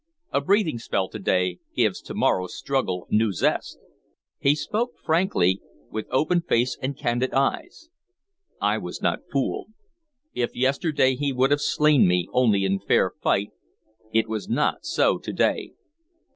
A breathing spell to day gives to morrow's struggle new zest." He spoke frankly, with open face and candid eyes. I was not fooled. If yesterday he would have slain me only in fair fight, it was not so to day.